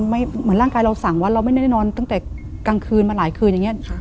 เหมือนร่างกายเราสั่งว่าเราไม่ได้นอนตั้งแต่กลางคืนมาหลายคืนอย่างนี้